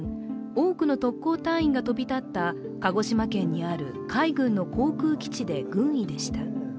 多くの特攻隊員が飛び立った鹿児島県にある海軍の航空基地で軍医でした。